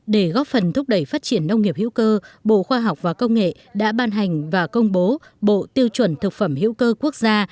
để góp phần thúc đẩy phát triển nông nghiệp hữu cơ bộ khoa học và công nghệ đã ban hành và công bố bộ tiêu chuẩn thực phẩm hữu cơ quốc gia